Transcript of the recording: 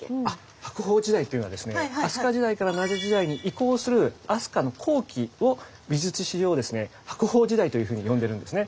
白鳳時代っていうのはですね飛鳥時代から奈良時代に移行する飛鳥の後期を美術史上ですね白鳳時代というふうに呼んでるんですね。